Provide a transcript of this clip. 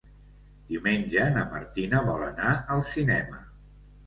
Diumenge na Martina vol anar al cinema.